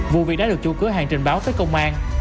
vụ việc đã được chủ cửa hàng trình báo tới công an